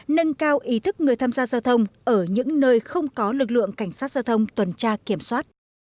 nâng cao ý thức người tham gia giao thông ở những nơi không có lực lượng cảnh sát giao thông tuần tra kiểm soát